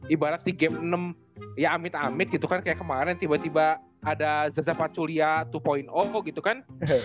ibarat di game enam ya amit amit gitu kan kayak kemarin tiba tiba ada zaza paculia dua gitu kan